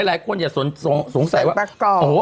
หลายคนอย่าสงสัยว่า